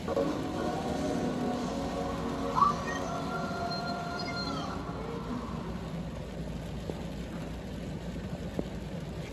The term "squatter's rights" has no precise and fixed legal meaning.